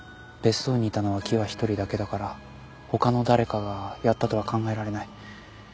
別荘にいたのは喜和一人だけだから他の誰かがやったとは考えられない。